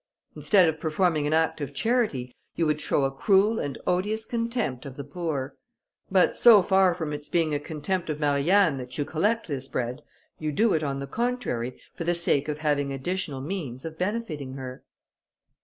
Instead of performing an act of charity, you would show a cruel and odious contempt of the poor; but so far from its being a contempt of Marianne, that you collect this bread, you do it, on the contrary, for the sake of having additional means of benefiting her."